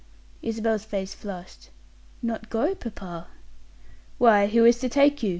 Isabel's face flushed. "Not go, papa?" "Why, who is to take you.